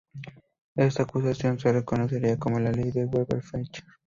Esta ecuación se conocería como ley de Weber-Fechner.